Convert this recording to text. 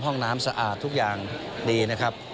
ห้องน้ำสะอาดทุกอย่างดีนะครับ